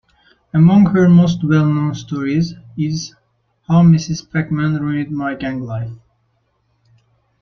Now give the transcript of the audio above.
Among her most well-known stories is How Ms. Pac-Man Ruined My Gang Life.